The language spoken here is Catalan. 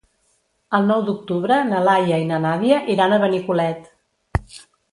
El nou d'octubre na Laia i na Nàdia iran a Benicolet.